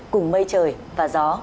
cùng mây trời và gió